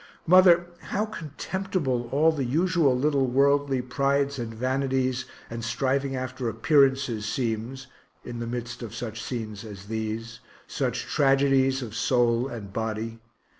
Mother, how contemptible all the usual little worldly prides and vanities, and striving after appearances, seems in the midst of such scenes as these such tragedies of soul and body.